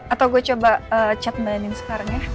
atau gue coba chat mbak andin sekarang ya